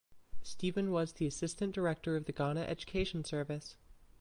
Stephen was the Assistant Director of the Ghana education service.